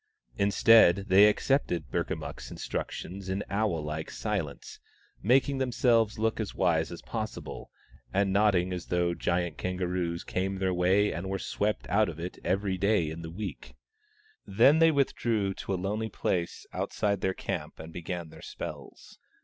Instead, they accepted Burkamukk's instructions in owl like silence, making themselves look as wise as possible, and nodding as though giant kangaroos came their way — and were swept out of it — every day in the week. Then they with drew to a lonely place outside their camp and began their spells.